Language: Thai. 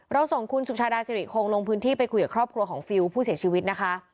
ส่งคุณสุชาดาสิริคงลงพื้นที่ไปคุยกับครอบครัวของฟิลผู้เสียชีวิตนะคะ